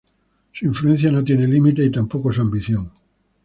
Su influencia no tiene límites y tampoco su ambición.